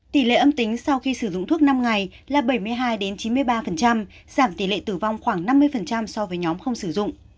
tỷ lệ âm tính sau khi sử dụng thuốc năm ngày là bảy mươi hai chín mươi ba giảm tỷ lệ tử vong khoảng năm mươi so với nhóm không sử dụng